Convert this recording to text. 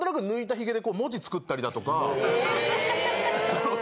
ヒゲで。